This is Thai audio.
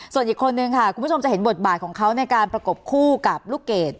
ส่วนอีกคนนึงค่ะคุณผู้ชมจะเห็นบทบาทของเขาในการประกบคู่กับลูกเกด